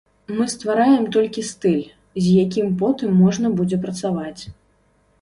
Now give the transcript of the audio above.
Мы ствараем толькі стыль, з якім потым можна будзе працаваць.